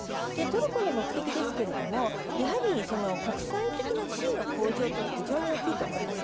トルコの目的ですけど国際的な地位の向上は非常に大きいと思います。